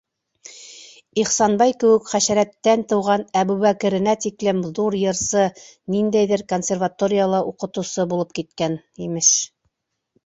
Ихсанбай кеүек хәшәрәттән тыуған Әбүбәкеренә тиклем ҙур йырсы, ниндәйҙер консерваторияла уҡытыусы булып киткән, имеш...